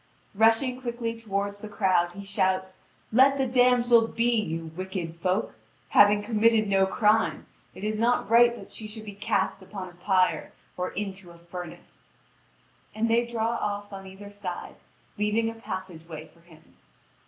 Rushing quickly toward the crowd, he shouts: "Let the damsel be, you wicked folk! Having committed no crime, it is not right that she should be cast upon a pyre or into a furnace." And they draw off on either side, leaving a passage way for him.